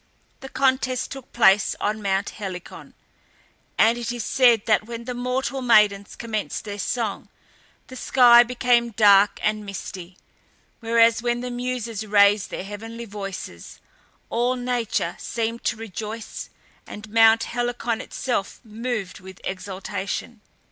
The contest took place on Mount Helicon, and it is said that when the mortal maidens commenced their song, the sky became dark and misty, whereas when the Muses raised their heavenly voices, all nature seemed to rejoice, and Mount Helicon itself moved with exultation.